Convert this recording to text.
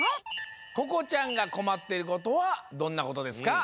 ここちゃんがこまっていることはどんなことですか？